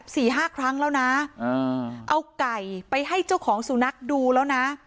สี่ห้าครั้งแล้วนะอ่าเอาไก่ไปให้เจ้าของสุนัขดูแล้วนะ